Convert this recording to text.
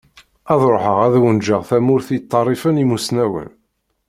Ad ruḥeγ ad awen-ğğeγ tamurt i yeṭṭerrifen imusnawen.